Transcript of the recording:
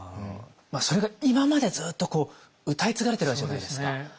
それが今までずっと歌い継がれてるわけじゃないですか。